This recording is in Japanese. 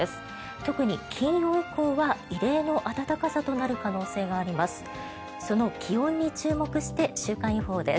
特に金曜以降は異例の暖かさとなる可能性があります。